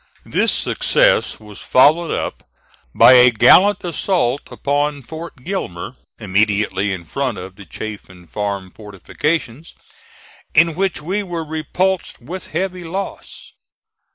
This success was followed up by a gallant assault upon Fort Gilmer, immediately in front of the Chaffin Farm fortifications, in which we were repulsed with heavy loss.